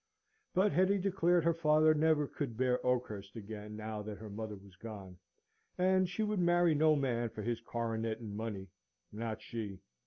But Hetty declared her father never could bear Oakhurst again now that her mother was gone; and she would marry no man for his coronet and money not she!